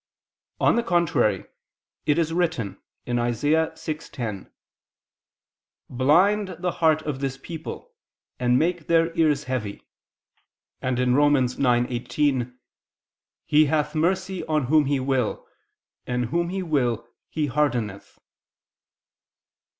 On the contrary, It is written (Isa. 6:10): "Blind the heart of this people, and make their ears heavy," and Rom. 9:18: "He hath mercy on whom He will, and whom He will He hardeneth."